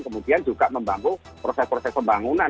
kemudian juga membangun proses proses pembangunan